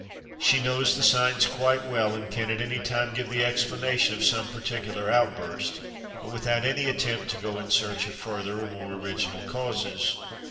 She knows the signs quite well and can at any time give the explanation of some particular outburst, but without any attempt to go in search of further or more original causes.